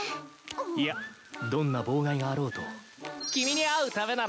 いやどんな妨害があろうと君に会うためなら！